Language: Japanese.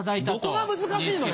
どこが難しいのよ。